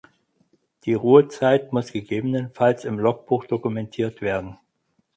Die Ruhezeit muss gegebenenfalls im Logbuch dokumentiert werden.